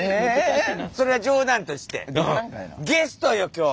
それは冗談としてゲストよ今日！